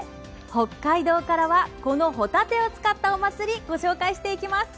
北海道からはこのホタテを使ったお祭り、ご紹介していきます。